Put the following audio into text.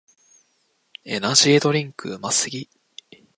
エナジードリンクうますぎ